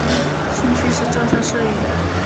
兴趣是照相摄影。